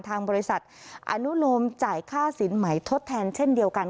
ทางบริษัทอนุโลมจ่ายค่าสินใหม่ทดแทนเช่นเดียวกัน